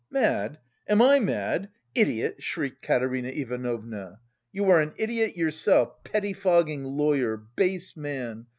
Mad? Am I mad? Idiot!" shrieked Katerina Ivanovna. "You are an idiot yourself, pettifogging lawyer, base man!